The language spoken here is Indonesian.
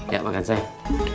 yuk makan sayang